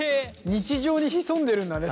日常に潜んでるんだね